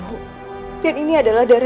eh jangan kabur